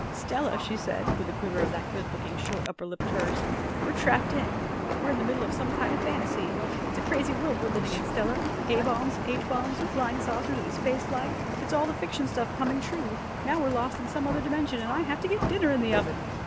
"Stella," she said, with a quiver of that good looking short upper lip of hers, "we're trapped in. We're in the middle of some kind of fantasy. It's a crazy world we're living in, Stella. A bombs and H bombs and flying saucers and space flight it's all the fiction stuff coming true. Now we're lost in some other dimension, and I have to get dinner in the oven."